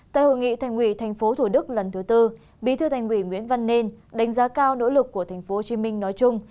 tại hội nghị thành quỷ thành phố thủ đức lần thứ tư bí thư thành quỷ nguyễn văn nên đánh giá cao nỗ lực của thành phố hồ chí minh nói chung